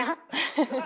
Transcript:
フフフッ。